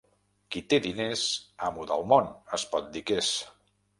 Qui té diners, amo del món es pot dir que és.